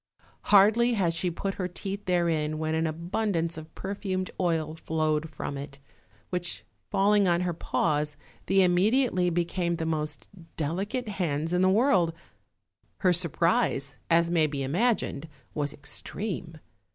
Hardly had she put her teeth therein Avhen an abun dance of perfumed oil flowed from it, which falling on her paws, they immediately became the most delicate hands in the world; her surprise, as may be imagined, was ex treme.